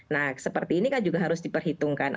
nah seperti ini kan juga harus diperhitungkan